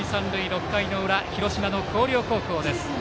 ６回の裏、広島の広陵高校です。